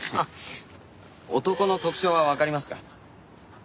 男の特徴はわかりますか？